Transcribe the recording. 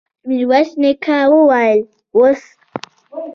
ميرويس نيکه وويل: اوس!